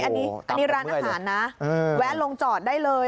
อันนี้ร้านอาหารนะแวะลงจอดได้เลย